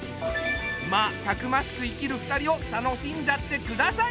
まあたくましく生きる２人を楽しんじゃってください。